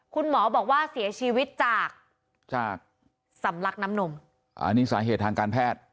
คุณหมอบอกว่าเสียชีวิตจากจากสำลักน้ำนมอันนี้สาเหตุทางการแพทย์